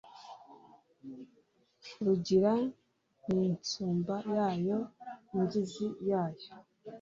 Rugira n'insumba yayo Ingizi yanyayo